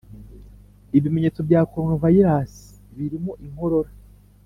ibimenyetso bya coronavirus birimo inkorora,